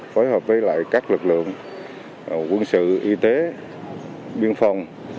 phối hợp với lại các lực lượng quân sự y tế biên phòng